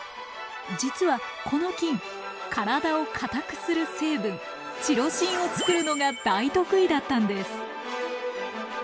実はこの菌体を硬くする成分チロシンを作るのが大得意だったんです。